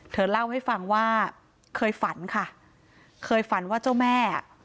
เธอเล่าให้ฟังว่าเคยฝันค่ะเคยฝันว่าเจ้าแม่อ่ะ